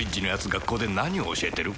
学校で何を教えてる？